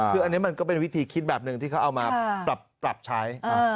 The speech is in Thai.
คืออันนี้มันก็เป็นวิธีคิดแบบหนึ่งที่เขาเอามาปรับใช้